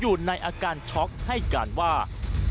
อยู่ในอาการช็อกให้กันว่าแถวแต้งตอนการเฉือบผ่าน